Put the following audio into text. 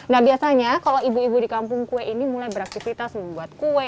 nah biasanya kalau ibu ibu di kampung kue ini mulai beraktivitas membuat kue